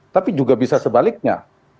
tapi juga bisa sebaliknya